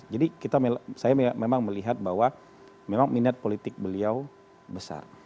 jadi kita saya memang melihat bahwa memang minat politik beliau besar